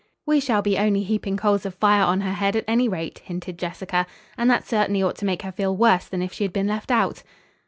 "We shall be only heaping coals of fire on her head at any rate," hinted Jessica, "and that certainly ought to make her feel worse than if she had been left out."